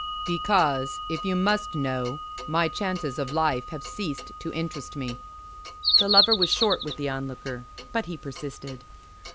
"Because if you must know, my chances of life have ceased to interest me." The Lover was short with the Onlooker; but he persisted.